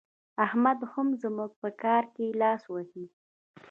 احمد هم زموږ په کار کې لاس وهي.